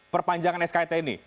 perpanjangan skt ini